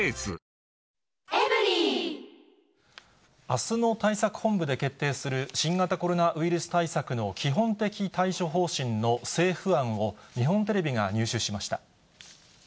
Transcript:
あすの対策本部で決定する新型コロナウイルス対策の基本的対処方針の政府案を、日本テレビが入手しました。